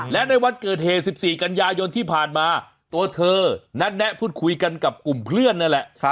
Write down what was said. และในวันเกิดเหตุ๑๔กันยายนที่ผ่านมาตัวเธอนัดแนะพูดคุยกันกับกลุ่มเพื่อนนั่นแหละ